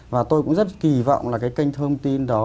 và tôi cũng rất kỳ vọng là cái kênh thông tin đó